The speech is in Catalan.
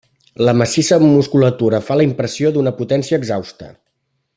La massissa musculatura fa la impressió d'una potència exhausta.